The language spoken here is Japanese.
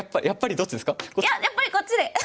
やっぱりこっちで。